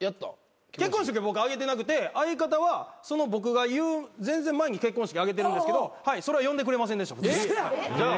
結婚式僕挙げてなくて相方は僕が言う全然前に結婚式挙げてるんですけどそれは呼んでくれませんでした。